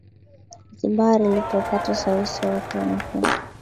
zibar ilipopata rais wake mpya